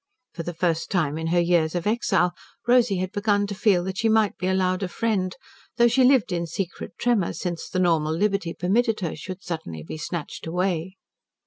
For the first time in her years of exile, Rosy had begun to feel that she might be allowed a friend though she lived in secret tremor lest the normal liberty permitted her should suddenly be snatched away.